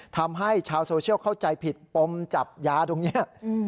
ทำให้ชาวโซเชียลเข้าใจผิดปมจับยาตรงนี้